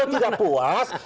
bisa ajukan para peradik